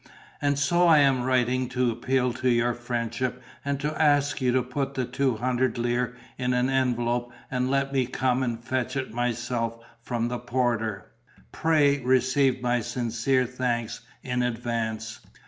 And so I am writing to appeal to your friendship and to ask you to put the two hundred lire in an envelope and let me come and fetch it myself from the porter. Pray receive my sincere thanks in advance.